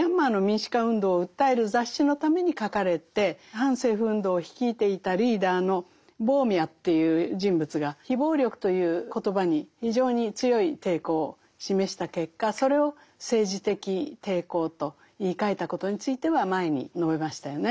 反政府運動を率いていたリーダーのボーミャという人物が「非暴力」という言葉に非常に強い抵抗を示した結果それを「政治的抵抗」と言いかえたことについては前に述べましたよね。